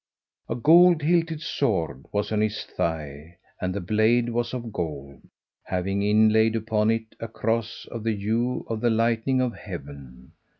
A gold hilted sword was on his thigh, and the blade was of gold, having inlaid upon it a cross of the hue of the lightning of heaven.